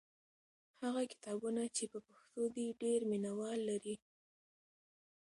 هغه کتابونه چې په پښتو دي ډېر مینه وال لري.